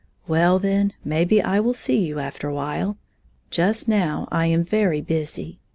Well, then, maybe I will see you after a while. Just now I am very busy.